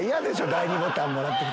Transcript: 第２ボタンもらって来たら。